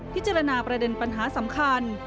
พิจารณาประเด็นปัญหาสำคัญ